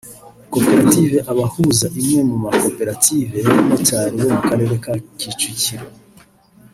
Koperative Abahuza imwe mu makoperative y’abamotari bo mu karere ka Kicukiro